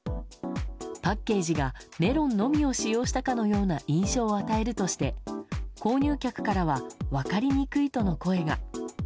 パッケージがメロンのみを使用したかのような印象を与えるとして購入客からは分かりにくいとの声が。